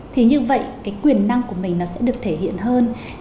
thì như vậy cái quyền năng của mình nó sẽ được thể hiện hơn